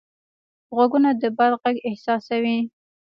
غوږونه د باد غږ احساسوي